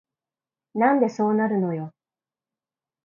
なんでそうなるのよ